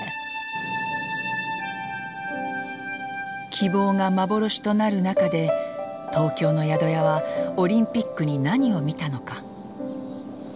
希望が幻となる中で東京の宿屋はオリンピックに何を見たのか。